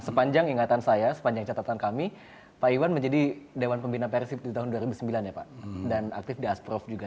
sepanjang ingatan saya sepanjang catatan kami pak iwan menjadi dewan pembina persib di tahun dua ribu sembilan ya pak dan aktif di asprof juga